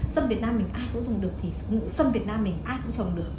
xâm việt nam mình ai cũng dùng được thì sâm việt nam mình ai cũng trồng được